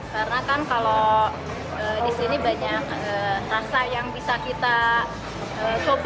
karena kan kalau disini banyak rasa yang bisa kita coba